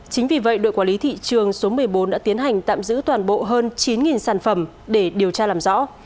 chính vì vậy đội quản lý thị trường số một mươi bốn đã tiến hành tạm giữ toàn bộ hơn chín sản phẩm để điều tra làm rõ